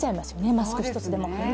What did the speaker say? マスク１つでもって。